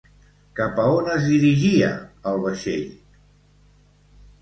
Cap a on es dirigia el vaixell?